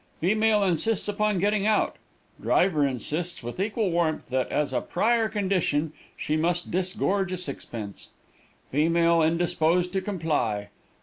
Female insists upon getting out. Driver insists, with equal warmth, that, as a prior condition, she must disgorge a sixpence. Female indisposed to comply.